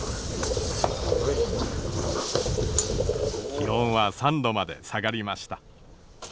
気温は３度まで下がりました。